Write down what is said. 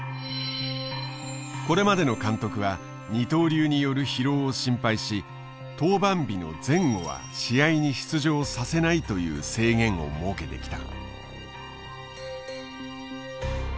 これまでの監督は二刀流による疲労を心配し登板日の前後は試合に出場させないという制限を設けてきた。